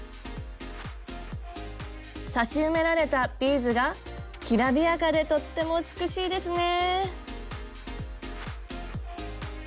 刺し埋められたビーズがきらびやかでとっても美しいですね。